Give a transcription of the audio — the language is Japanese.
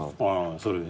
それで？